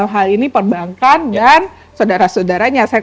hal ini perbankan dan saudara saudaranya